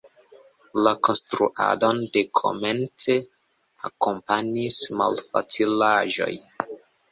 La konstruadon de komence akompanis malfacilaĵoj.